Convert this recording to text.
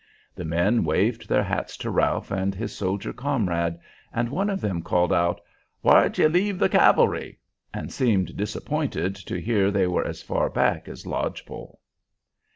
The men waved their hats to Ralph and his soldier comrade, and one of them called out, "Whar'd ye leave the cavalry?" and seemed disappointed to hear they were as far back as Lodge Pole.